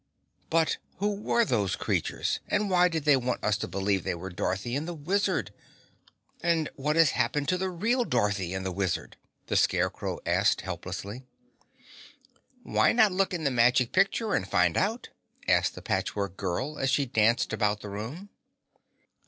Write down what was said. "But who were those creatures? And why did they want us to believe they were Dorothy and the Wizard? And what has happened to the real Dorothy and the Wizard?" the Scarecrow asked helplessly. "Why not look in the Magic Picture and find out?" asked the Patchwork Girl, as she danced about the room.